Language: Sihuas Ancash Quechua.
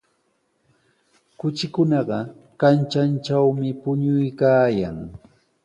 Kuchikunaqa kanchantrawmi puñuykaayan.